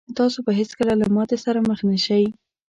تاسو به هېڅکله له ماتې سره مخ نه شئ.